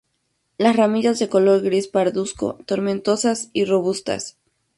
Las ramillas de color gris pardusco, tomentosas y robustas.